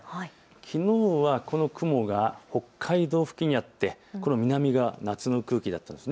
きのうはこの雲が北海道付近にあって南側、夏の空気だったんです。